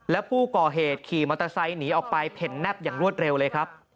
แล้วผู้ก่อเหตุขี่มอเตอร์ไซค์หนีออกไปเพ่นแนบอย่างรวดเร็วเลยครับ